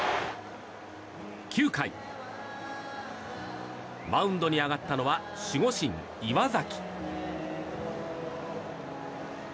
９回、マウンドに上がったのは守護神・岩崎。